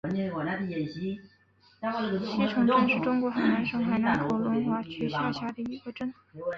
城西镇是中国海南省海口市龙华区下辖的一个镇。